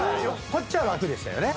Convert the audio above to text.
こっちは楽でしたよね。